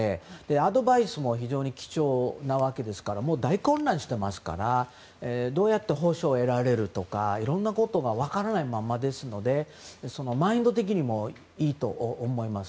アドバイスも非常に貴重ですから大混乱してますからどうやって補償を得られるとか分からないままですのでマインド的にもいいと思います。